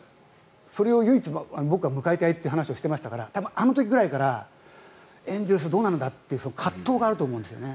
それを唯一、僕は迎えたいという話をしていましたから多分あの時くらいからエンゼルスどうなんだって葛藤があると思うんですよね。